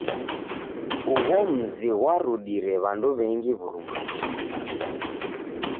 Ugho muzi ghwarudire w'andu w'engi w'urumwengunyi.